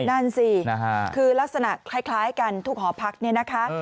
นั่นสิคือลักษณะคล้ายกันทุกหอพักเนี่ยนะคะ